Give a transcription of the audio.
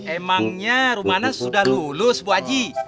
emangnya rumana sudah lulus bu haji